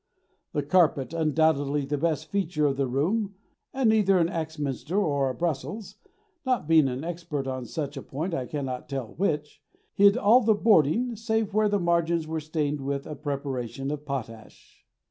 The carpet, undoubtedly the best feature of the room, and either an Axminster or a Brussels not being an expert on such a point I cannot tell which hid all the boarding save where the margins were stained with a preparation of potash.